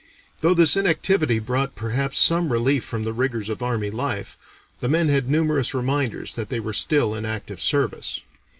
Though this inactivity brought perhaps some relief from the rigors of army life, the men had numerous reminders that they were still in active service.